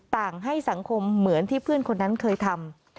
ให้สังคมเหมือนที่เพื่อนคนนั้นเคยทำ